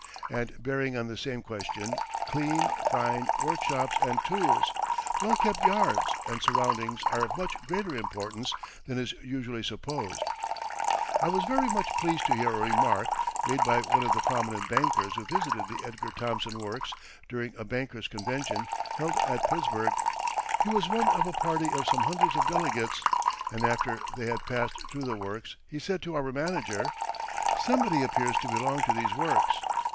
And bearing on the same question, clean, fine workshops and tools, well kept yards and surroundings are of much greater importance than is usually supposed. I was very much pleased to hear a remark, made by one of the prominent bankers who visited the Edgar Thomson Works during a Bankers Convention held at Pittsburgh. He was one of a party of some hundreds of delegates, and after they had passed through the works he said to our manager: "Somebody appears to belong to these works."